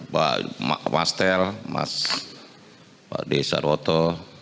pak master pak desaroto